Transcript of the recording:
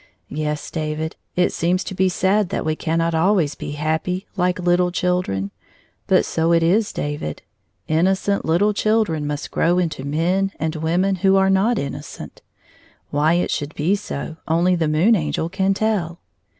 Yes, David, it seems to be sad that we cannot always be happy like little chil dren; but so it is, David. Innocent Uttle chil dren must grow into men and women who are not innocent. Why it should be so only the Moon Angel can tell.